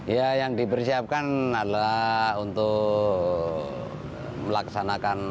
ya yang dibersiapkan adalah untuk melaksanakan upacara